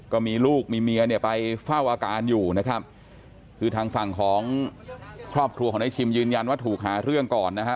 ก็มีลูกมีเมียเนี่ยไปเฝ้าอาการอยู่นะครับคือทางฝั่งของครอบครัวของนายชิมยืนยันว่าถูกหาเรื่องก่อนนะฮะ